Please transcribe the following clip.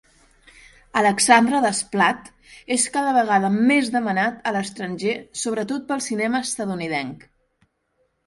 Alexandre Desplat és cada vegada més demanat a l'estranger sobretot pel cinema estatunidenc.